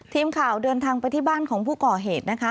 ทีมข่าวเดินทางไปที่บ้านของผู้ก่อเหตุนะคะ